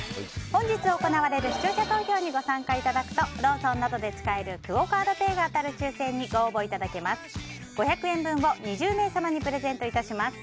本日行われる視聴者投票にご参加いただくとローソンなどで使えるクオ・カードペイが当たる抽選に、ご応募いただけます。